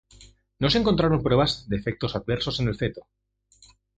No se encontraron pruebas de efectos adversos en el feto.